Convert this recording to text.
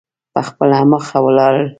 په خپله مخه ولاړل.